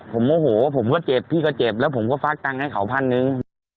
ผมโมโหผมก็เจ็บพี่ก็เจ็บแล้วผมก็ฟักตังค์ให้เขาพันหนึ่ง